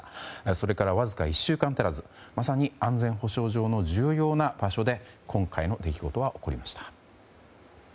それからわずか１週間足らずまさに安全保障上の重要な場所で今回の出来事は起こりました。